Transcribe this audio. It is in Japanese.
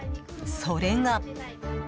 それが。